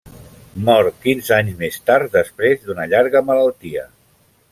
Mor quinze anys més tard, després d'una llarga malaltia.